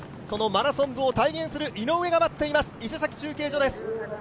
そのマラソン部を体現する井上が待っています伊勢崎中継所です。